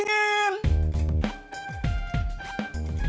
cendol manis dingin